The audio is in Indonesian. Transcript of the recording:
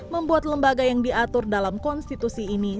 membuat lembaga yang diatur dalam konstitusi ini